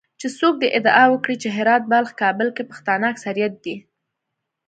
چې څوک دې ادعا وکړي چې هرات، بلخ، کابل کې پښتانه اکثریت دي